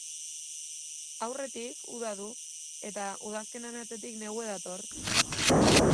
Aurretik uda du eta udazkenaren atzetik, negua dator.